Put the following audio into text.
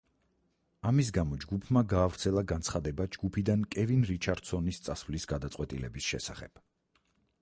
ამის გამო, ჯგუფმა გაავრცელა განცხადება ჯგუფიდან კევინ რიჩარდსონის წასვლის გადაწყვეტილების შესახებ.